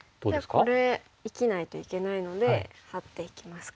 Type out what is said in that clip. じゃあこれ生きないといけないのでハッていきますか。